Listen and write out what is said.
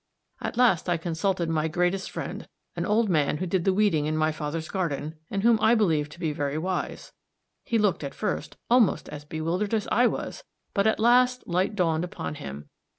At last I consulted my greatest friend, an old man who did the weeding in my father's garden, and whom I believed to be very wise. He looked at first almost as bewildered as I was, but at last light dawned upon him.